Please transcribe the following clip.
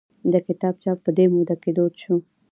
د کتاب چاپ په دې موده کې دود شو.